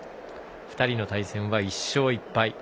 ２人の対戦は１勝１敗。